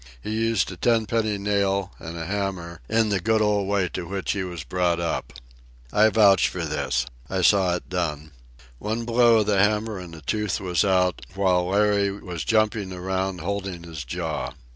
He used a tenpenny nail and a hammer in the good old way to which he was brought up. I vouch for this. I saw it done. One blow of the hammer and the tooth was out, while Larry was jumping around holding his jaw.